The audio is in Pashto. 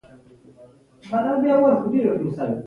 انیلا وویل چې پلار مې منځني ختیځ ته تجارت کاوه